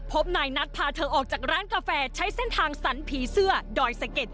พบนายนัทพาเธอออกจากร้านกาแฟใช้เส้นทางสรรผีเสื้อดอยสะเก็ด